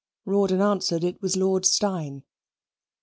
Rawdon answered it was Lord Steyne.